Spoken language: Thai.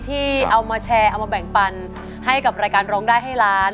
ที่เอามาแชร์เอามาแบ่งปันให้กับรายการร้องได้ให้ล้าน